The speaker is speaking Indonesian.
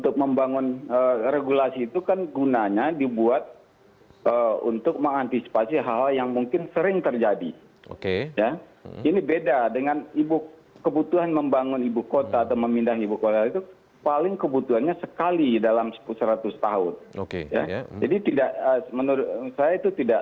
kemudian sudah ada masa tahapan dianggap persiapan dianggap persiapan dua tahun